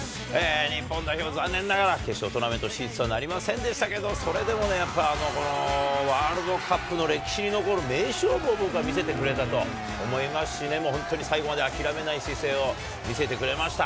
日本代表、残念ながら、決勝トーナメント進出はなりませんでしたけど、それでもね、やっぱこのワールドカップの歴史に残る名勝負を、僕は見せてくれたと思いますしね、本当に最後まで諦めない姿勢を見せてくれました。